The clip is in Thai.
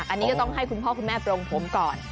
อันนี้ก็ต้องให้คุณพ่อคุณแม่โปรงผมก่อน